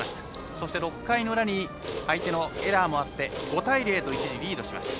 そして６回の裏に相手のエラーもあって５対０と一時リードしました。